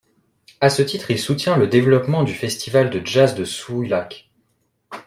À ce titre, il soutient le développement du festival de jazz de Souillac.